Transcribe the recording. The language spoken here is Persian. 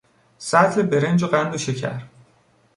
سطل برنج و قند و شکر